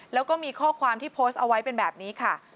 แล้วก็มีข้อความที่โพสต์เอาไว้เป็นแบบนี้ค่ะ